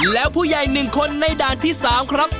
แล้วผู้ใหญ่๑คนในด่านที่๓ครับ